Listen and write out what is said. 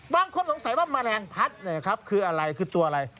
บางคนสงสัยว่าแมลงพัดคือตัวอะไร